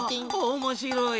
おもしろい！